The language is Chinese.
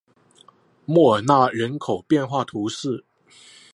莫尔纳人口变化图示